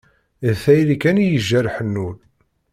D tayri kan i ijerrḥen ul.